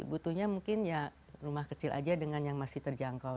butuhnya mungkin ya rumah kecil aja dengan yang masih terjangkau